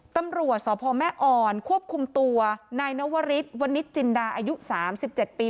ตำรวจสอบพ่อแม่ออนควบคุมตัวนายนวริสวนิจจินดาอายุสามสิบเจ็ดปี